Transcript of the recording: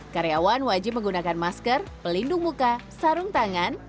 karyawan wajib menggunakan masker pelindung muka sarung tangan